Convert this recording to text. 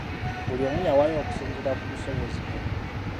Buli omu yawaayo okusinziira ku busobozi bwe.